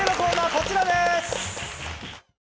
こちらです！